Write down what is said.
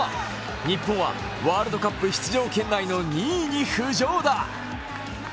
ニッポンはワールドカップ出場圏内の２位に浮上だ！